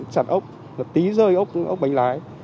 chặt ốc tí rơi ốc bánh lái